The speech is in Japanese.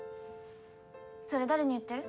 それ誰に言ってる？